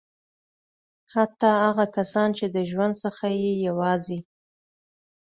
حتی هغه کسان چې د ژوند څخه یې یوازې.